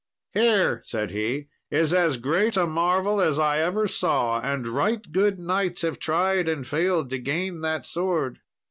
"Here" said he, "is as great a marvel as I ever saw, and right good knights have tried and failed to gain that sword."